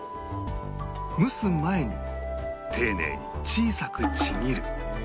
蒸す前に丁寧に小さくちぎる